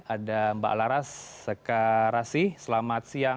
ada mbak laras sekarasi selamat siang